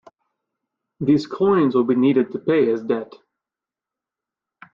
These coins will be needed to pay his debt.